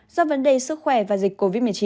do vấn đề sức khỏe và dịch covid một mươi chín